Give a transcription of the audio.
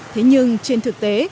thế nhưng trên thực tế